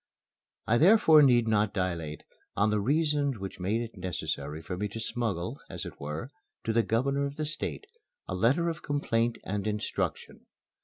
I therefore need not dilate on the reasons which made it necessary for me to smuggle, as it were, to the Governor of the State, a letter of complaint and instruction.